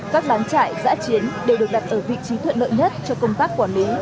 các bán chải dã chiến đều được đặt ở vị trí thuận lợi nhất cho công tác quản lý